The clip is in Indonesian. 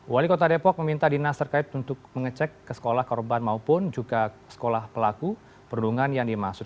wali kota depok meminta dinas terkait untuk mengecek ke sekolah korban maupun juga sekolah pelaku perundungan yang dimaksud